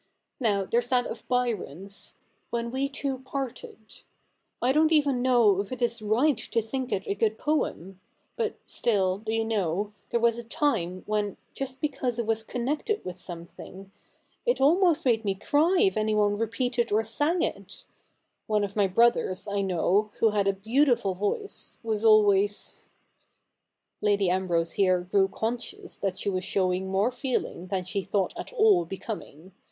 Now, there's that of Byron's, " When we two parted." I don't even know if it is right to think it a good poem — but still, do you know, there was a time when, just because it was connected with something — it almost made me cry if anyone repeated or sang it — one of my brothers, I know, who had a beautiful voice, was always ' Lady Ambrose here grew conscious that she was showing more feeling than she thought at all becoming.